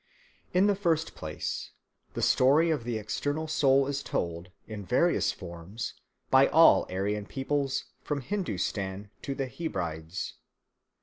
In the first place, the story of the external soul is told, in various forms, by all Aryan peoples from Hindoostan to the Hebrides.